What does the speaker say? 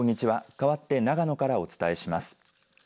かわって長野からお伝えします。